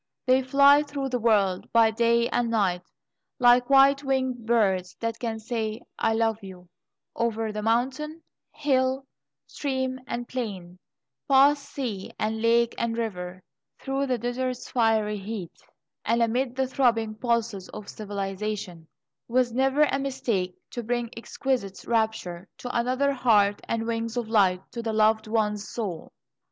They fly through the world by day and night, like white winged birds that can say, "I love you" over mountain, hill, stream, and plain; past sea and lake and river, through the desert's fiery heat and amid the throbbing pulses of civilisation, with never a mistake, to bring exquisite rapture to another heart and wings of light to the loved one's soul.